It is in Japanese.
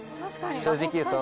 正直言うと。